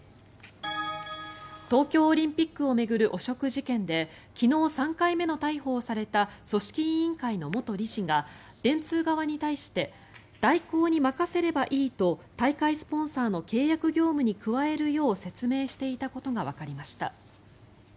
東京オリンピックを巡る汚職事件で昨日、３回目の逮捕をされた組織委員会の元理事が電通側に対して大広に任せればいいと大会スポンサーの契約業務に加えるよう説明していたことがわかりました。